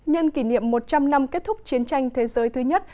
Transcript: nhân kỷ niệm một trăm linh năm kết thúc chiến tranh thế giới thứ nhất